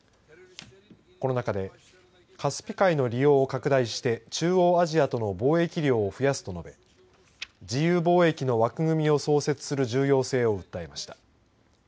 この中でカスピ海の利用を拡大して中央アジアとの貿易量を増やすと述べ自由貿易の枠組みを創設する重要性を訴えました。